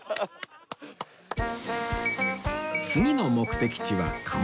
次の目的地は鴨川